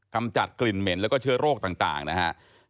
กำจัดกลิ่นเหม็นแล้วก็เชื้อโรคต่างนะครับ